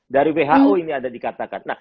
dari who ini ada dikatakan